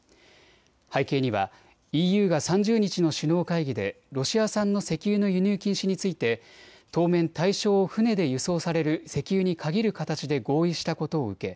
背景にはＥＵが３０日の首脳会議でロシア産の石油の輸入禁止について当面、対象を船で輸送される石油に限る形で合意したことを受け